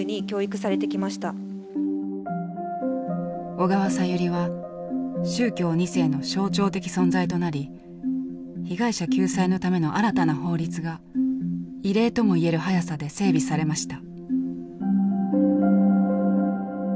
「小川さゆり」は宗教２世の象徴的存在となり被害者救済のための新たな法律が異例とも言える早さで整備されました。